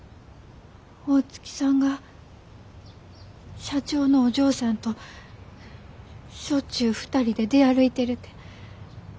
大月さんが社長のお嬢さんとしょっちゅう２人で出歩いてるて。